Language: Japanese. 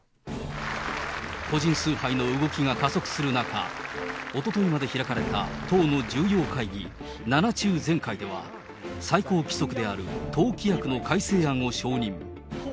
個人崇拝の動きが加速する中、おとといまで開かれた党の重要会議、七中全会では、最高規則である党規約の改正案を承認。